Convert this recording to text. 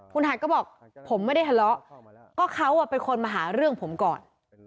คุณหัดก็บอกผมไม่ได้ทะเลาะก็เขาเป็นคนมาหาเรื่องผมก่อน